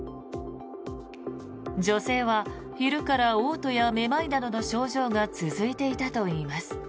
女性は昼からおう吐やめまいなどの症状が続いていたといいます。